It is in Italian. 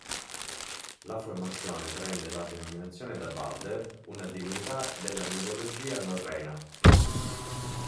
La formazione prende la denominazione da Baldr, una divinità della mitologia norrena.